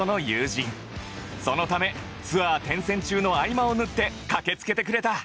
そのためツアー転戦中の合間を縫って駆けつけてくれた